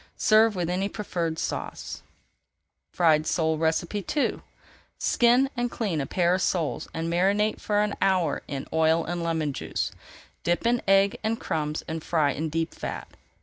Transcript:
Serve with any preferred sauce. FRIED SOLE II Skin and clean a pair of soles and marinate for an hour in oil and lemon juice. Dip in egg and crumbs and fry in deep fat.